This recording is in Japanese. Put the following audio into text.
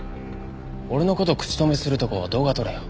俺の事口止めするとこ動画撮れよ。